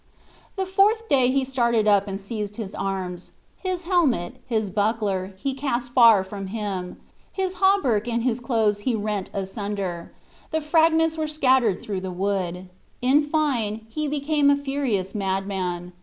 The fourth day he started up and seized his arms. His helmet, his buckler, he cast far from him; his hauberk and his clothes he rent asunder; the fragments were scattered through the wood. In fine, he became a furious madman.